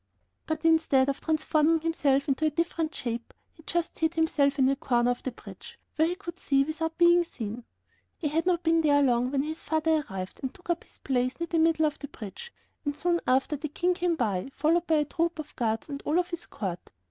But instead of transforming himself into a different shape, he just hid himself in a corner of the bridge, where he could see without being seen. He had not been there long when his father arrived and took up his place near the middle of the bridge, and soon after the king came by, followed by a troop of guards and all his court.